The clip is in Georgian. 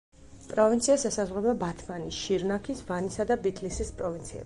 პროვინციას ესაზღვრება ბათმანის, შირნაქის, ვანისა და ბითლისის პროვინციები.